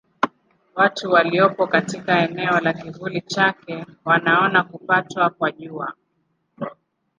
Watu waliopo katika eneo la kivuli chake wanaona kupatwa kwa Jua.